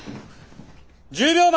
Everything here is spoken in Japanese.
１０秒前！